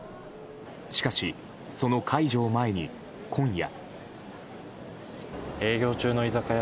しかし、その解除を前に今夜。